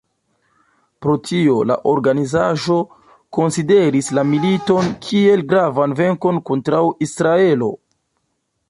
Pro tio, la organizaĵo konsideris la militon kiel gravan venkon kontraŭ Israelo.